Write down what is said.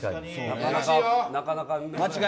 なかなか見ない。